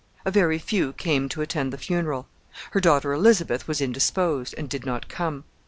A very few came to attend the funeral. Her daughter Elizabeth was indisposed, and did not come.